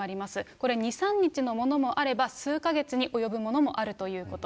これ、２、３日のものもあれば、数か月に及ぶものもあるということ。